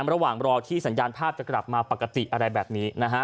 ระหว่างรอที่สัญญาณภาพจะกลับมาปกติอะไรแบบนี้นะฮะ